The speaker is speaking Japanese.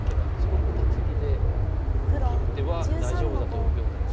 これカタツギで切る手は大丈夫だと読んでます。